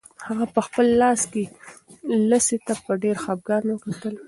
هغه په خپل لاس کې لسی ته په ډېر خپګان وکتل.